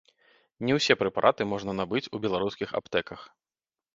Не ўсе прэпараты можна набыць у беларускіх аптэках.